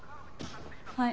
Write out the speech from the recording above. はい。